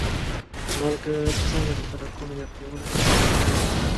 مالګه څنګه د سړکونو یخ نیولو څخه مخنیوی کوي؟